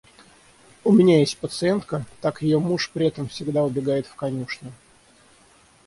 У меня есть пациентка, так ее муж при этом всегда убегает в конюшню.